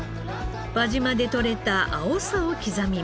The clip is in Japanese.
輪島で取れたあおさを刻みます。